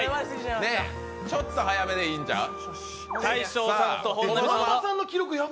ちょっと早めでええんちゃう？